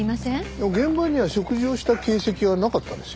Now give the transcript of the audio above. でも現場には食事をした形跡はなかったんですよ。